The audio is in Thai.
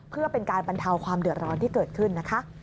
เพื่อเป็นการบรรเทาความเดือดร้อนที่เกิดขึ้นนะคะ